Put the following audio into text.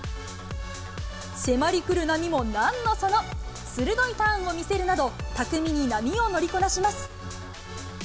迫りくる波もなんのその、鋭いターンを見せるなど、巧みに波を乗りこなします。